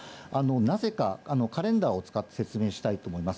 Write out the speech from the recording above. なぜか、カレンダーを使って説明したいと思います。